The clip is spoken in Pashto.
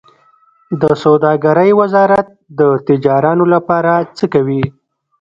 د سوداګرۍ وزارت د تجارانو لپاره څه کوي؟